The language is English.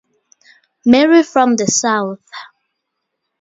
Marie from the south.